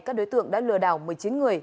các đối tượng đã lừa đảo một mươi chín người